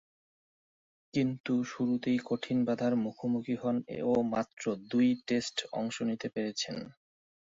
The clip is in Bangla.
কিন্তু শুরুতেই কঠিন বাঁধার মুখোমুখি হন ও মাত্র দুই টেস্টে অংশ নিতে পেরেছেন।